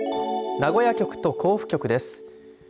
名古屋局と甲府局です。